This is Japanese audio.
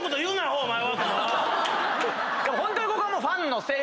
ホントにここは。